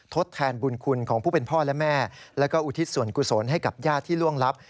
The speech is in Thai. ทดแทนบุญคุณของผู้เป็นพ่อและแม่แล้วก็อุทิศส่วนกุศลให้กับญาติที่ล่วงลับ